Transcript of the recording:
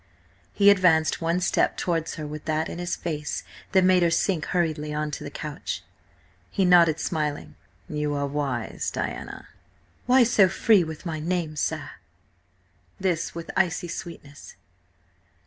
He advanced one step towards her with that in his face that made her sink hurriedly on to the couch. He nodded smiling. "You are wise, Diana." "Why so free with my name, sir?" This with icy sweetness.